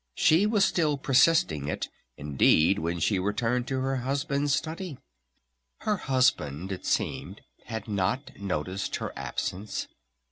She was still persisting it indeed when she returned to her husband's study. Her husband, it seemed, had not noticed her absence.